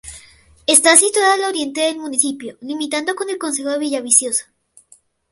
Está situada al oriente del municipio, limitando con el concejo de Villaviciosa.